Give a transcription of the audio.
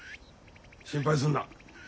心配するな。